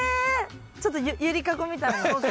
ちょっと揺りかごみたいな感じで。